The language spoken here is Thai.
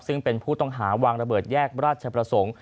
ซึ่งเป็นผู้ต้องหาวางระเบิดแยกราชประสงค์